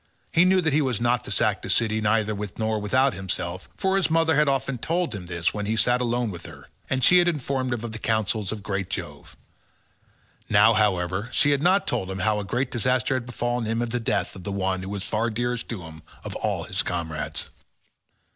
He knew that he was not to sack the city neither with nor without himself, for his mother had often told him this when he had sat alone with her, and she had informed him of the counsels of great Jove. Now, however, she had not told him how great a disaster had befallen him in the death of the one who was far dearest to him of all his comrades.